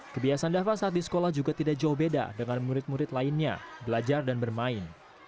kebiasaan dava saat di sekolah juga tidak jauh beda dengan murid murid lainnya belajar dan bermain